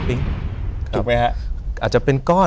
อาจจะเป็นก้อน